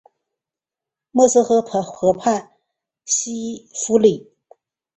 默斯河畔西夫里。